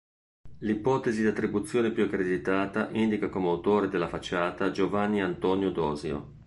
L'ipotesi di attribuzione più accreditata indica come autore della facciata Giovanni Antonio Dosio.